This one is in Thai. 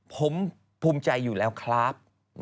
ผมภูมิใจอยู่แล้วครับ